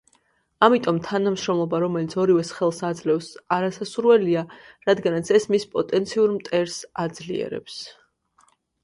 ამიტომ თანამშრომლობა, რომელიც ორივეს ხელს აძლევს არასასურველია, რადგანაც ეს მის პოტენციურ მტერს აძლიერებს.